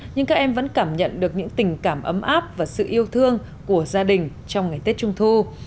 nhưng các em vẫn cảm nhận được những tình cảm ấm áp và sự yêu thương của gia đình trong ngày tết trung thu